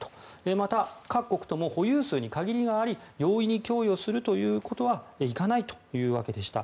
また、各国とも保有数に限りがあり容易に供与するということにはいかないということでした。